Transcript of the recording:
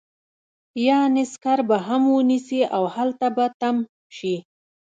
يعنې سکر به هم ونيسي او هلته به تم شي.